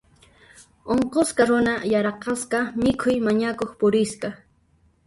Unqusqa runa yaraqasqa mikhuy mañakuq purisqa.